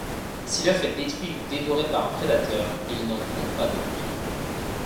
Si l'œuf est détruit ou dévoré par un prédateur, ils n'en pondent pas d'autre.